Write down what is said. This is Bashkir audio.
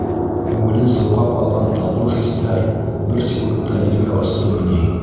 Күңелен солғап алған татлы хистәр бер секундта елгә остомо ни?!